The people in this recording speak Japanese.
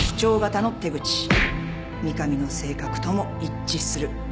三上の性格とも一致する。